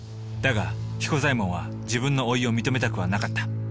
だが彦左衛門は自分の老いを認めたくはなかった。